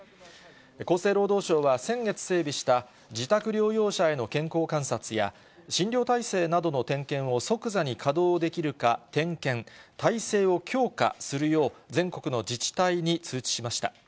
厚生労働省は先月整備した、自宅療養者への健康観察や、診療体制などの点検を即座に稼働できるか、点検・体制を強化するよう全国の自治体に通知しました。